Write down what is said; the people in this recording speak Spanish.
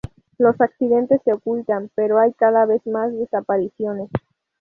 Los accidentes se ocultan, pero hay cada vez más desapariciones.